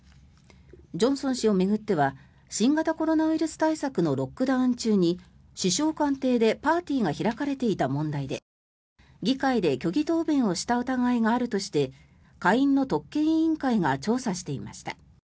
ジョンソン氏を巡っては新型コロナウイルス対策のロックダウン中に首相官邸でパーティーが開かれていた問題で議会で虚偽答弁をした疑いがあるとして下院の特権委員会が調査していました。